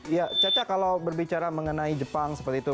ya caca kalau berbicara mengenai jepang seperti itu